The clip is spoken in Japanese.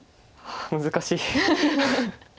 難しい。